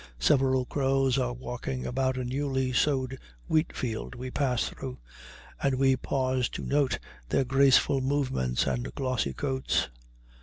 Several crows are walking about a newly sowed wheatfield we pass through, and we pause to note their graceful movements and glossy coats.